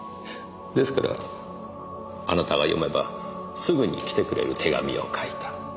ですからあなたが読めばすぐに来てくれる手紙を書いた。